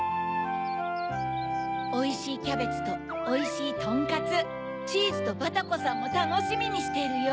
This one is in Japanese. おいしいキャベツとおいしいとんかつチーズとバタコさんもたのしみにしてるよ。